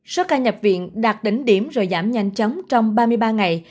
số ca nhập viện đạt đỉnh điểm rồi giảm nhanh chóng trong ba mươi ba ngày